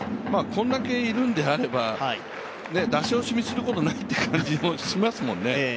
これだけいるのであれば、出し惜しみすることもないという感じもしますもんね。